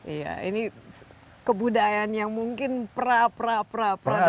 iya ini kebudayaan yang mungkin pra pra pra dari kebudayaan